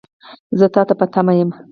زه تا ته په تمه یم .